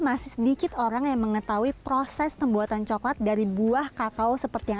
masih sedikit orang yang mengetahui proses pembuatan coklat dari buah kakao seperti yang